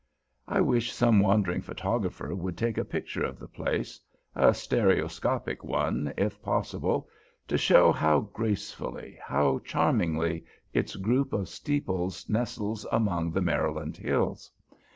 I wish some wandering photographer would take a picture of the place, a stereoscopic one, if possible, to show how gracefully, how charmingly, its group of steeples nestles among the Maryland hills.